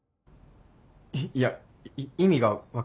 いや意味が分からない。